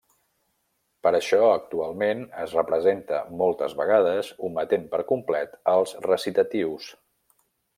Per això actualment es representa moltes vegades ometent per complet els recitatius.